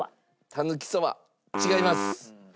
たぬき蕎麦違います。